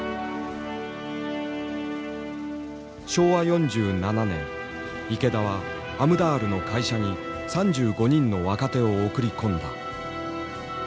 昭和４７年池田はアムダールの会社に３５人の若手を送り込んだ。